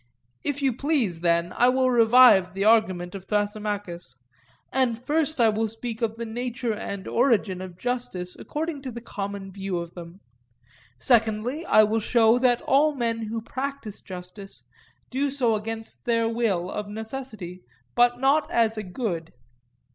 If you, please, then, I will revive the argument of Thrasymachus. And first I will speak of the nature and origin of justice according to the common view of them. Secondly, I will show that all men who practise justice do so against their will, of necessity, but not as a good.